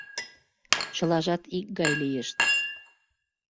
Чылажат икгай лийышт.